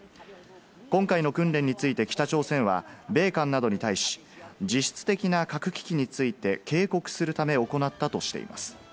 今回の訓練について北朝鮮は米韓などに対し、実質的な核危機について警告するため行ったとしています。